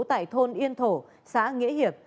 tại thôn yên thổ xã nghĩa hiệp